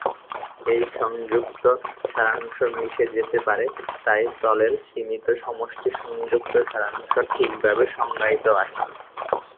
এই সংযুক্ত সারাংশ মিশে যেতে পারে, তাই তলের সীমিত সমষ্টির সংযুক্ত সারাংশ ঠিকভাবে সংজ্ঞায়িত আছে।